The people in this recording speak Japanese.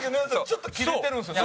ちょっとキレてるんですよ。